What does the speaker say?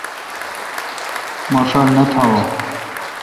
مہ ݭا نہ تھاوا۔